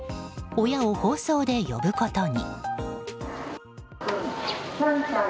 親を放送で呼ぶことに。